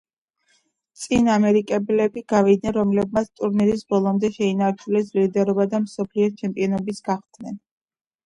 წინ ამერიკელები გავიდნენ, რომლებმაც ტურნირის ბოლომდე შეინარჩუნეს ლიდერობა და მსოფლიოს ჩემპიონებიც გახდნენ.